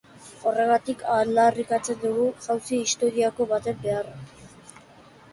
Horregatik aldarrikatzen dugu jauzi historiko baten beharra.